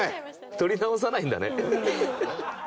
撮り直さないんだね。